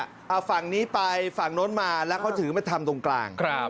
เอาฝั่งนี้ไปฝั่งโน้นมาแล้วเขาถือมาทำตรงกลางครับ